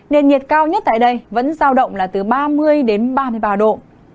nền nhiệt cao nhất tại đây vẫn giao động là từ ba mươi đến ba mươi ba độ